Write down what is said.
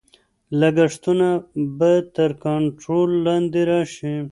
لګښتونه به تر کنټرول لاندې راشي.